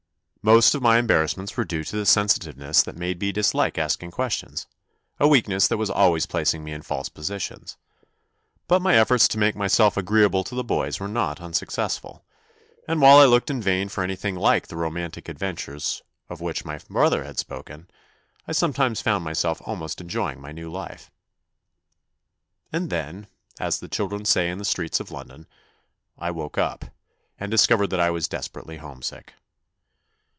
Most of my embar rassments were due to the sensitiveness that made me dislike asking questions a weakness that was always placing me in false positions. But my efforts to make myself agreeable to the boys were not unsuccessful, and while I looked in vain for anything like the romantic adventures of which my brother had spoken, I sometimes found myself almost enjoying my new life. 58 THE NEW BOY And then, as the children say in the streets of London, I woke up, and discovered that I was desperately home sick.